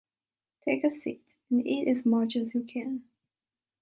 Take a sit and eat as much as you can.